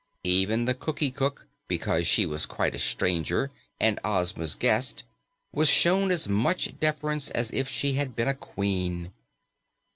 Even the Cookie Cook, because she was quite a stranger and Ozma's guest, was shown as much deference as if she had been a queen.